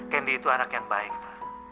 candy itu anak yang baik ma